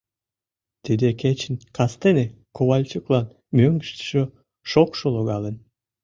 Тиде кечын кастене Ковальчуклан мӧҥгыштыжӧ шокшо логалын.